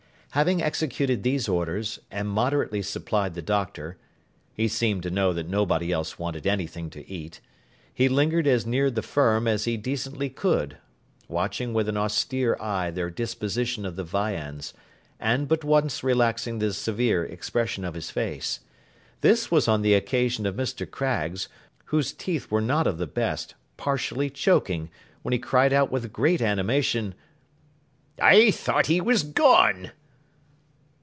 Having executed these orders, and moderately supplied the Doctor (he seemed to know that nobody else wanted anything to eat), he lingered as near the Firm as he decently could, watching with an austere eye their disposition of the viands, and but once relaxing the severe expression of his face. This was on the occasion of Mr. Craggs, whose teeth were not of the best, partially choking, when he cried out with great animation, 'I thought he was gone!